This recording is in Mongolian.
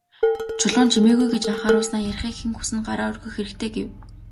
Чулуун «Чимээгүй» гэж анхааруулснаа "Ярихыг хэн хүснэ, гараа өргөх хэрэгтэй" гэв.